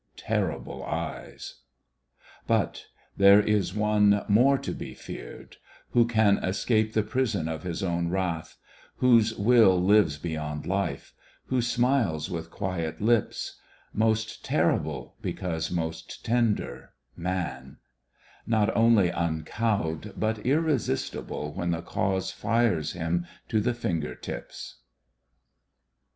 Terrible eyes ! But there is one more to be feared, who can Escape the prison of his own wrath ; whose will Lives beyond life ; who smiles with quiet lips ; Most terrible because most tender, Man, — Not only uncowed but irresistible When the cause fires him to the finger tips.